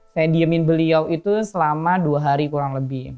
saya diemin beliau itu selama dua hari kurang lebih